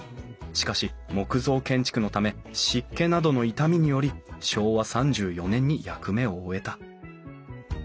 しかし木造建築のため湿気などの傷みにより昭和３４年に役目を終えた。